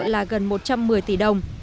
là gần một trăm một mươi tỷ đồng